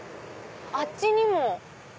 あっちにも！